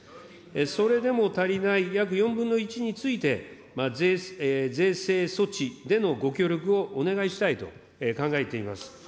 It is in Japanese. それでも足りない約４分の１について、税制措置でのご協力をお願いしたいと考えています。